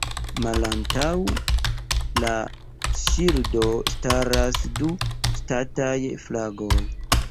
Malantaŭ la ŝildo staras du ŝtataj flagoj.